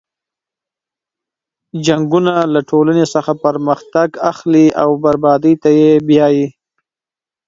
جنګونه له ټولنې څخه پرمختګ اخلي او بربادۍ ته یې بیایي.